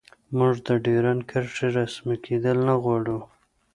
موږ د ډیورنډ کرښې رسمي کیدل نه غواړو